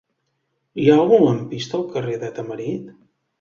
Hi ha algun lampista al carrer de Tamarit?